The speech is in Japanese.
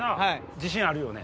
自信あるよね？